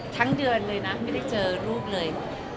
ทั้งเดือนเลยนะไม่ได้เจอลูกเลย